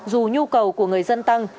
dù nhu cầu của người dân tăng